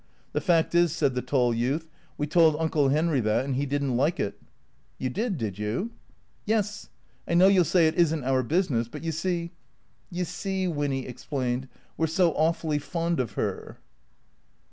The fact is," said the tall youth, " we told Uncle Henry that, and he did n't like it." "You did, did you?" " Yes. I know you '11 say it is n't our business, but you see " "You see" (Winny explained), "we're so awfully fond of her."